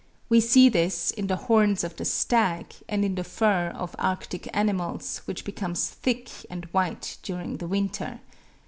We see this in the horns of the stag, and in the fur of Arctic animals which becomes thick and white during the winter.